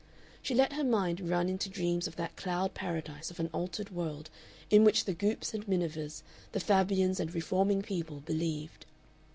She let her mind run into dreams of that cloud paradise of an altered world in which the Goopes and Minivers, the Fabians and reforming people believed.